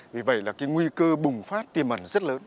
vì vậy là cái nguy cơ bùng phát tiềm ẩn rất lớn